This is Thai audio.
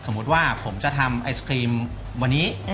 สมมุติว่าผมจะทำไอศครีมวันนี้